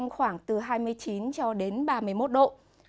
khoảng từ hai mươi chín cho đến ba mươi một độ